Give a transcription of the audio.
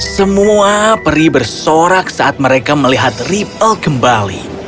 semua peri bersorak saat mereka melihat ripple kembali